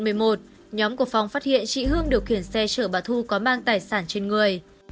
nhóm của phong phát hiện chị hương điều khiển xe chở bà thu có mang tài sản trên người